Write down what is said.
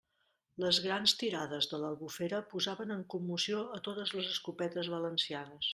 Les grans tirades de l'Albufera posaven en commoció a totes les escopetes valencianes.